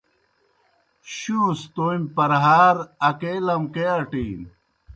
شُوں سہ تومی پرہار اکے لمکے اٹِینوْ